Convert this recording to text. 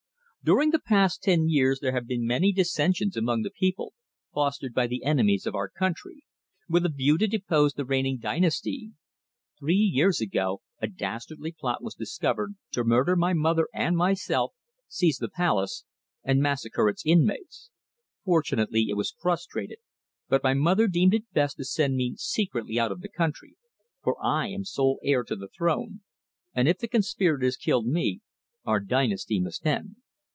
During the past ten years there have been many dissensions among the people, fostered by the enemies of our country, with a view to depose the reigning dynasty. Three years ago a dastardly plot was discovered to murder my mother and myself, seize the palace, and massacre its inmates. Fortunately it was frustrated, but my mother deemed it best to send me secretly out of the country, for I am sole heir to the throne, and if the conspirators killed me, our dynasty must end.